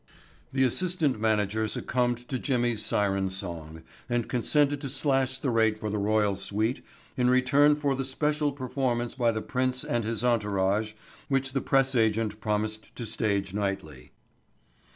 The assistant manager succumbed to Jimmy's siren song and consented to slash the rate for the royal suite in return for the special performance by the prince and his entourage which the press agent promised to stage nightly.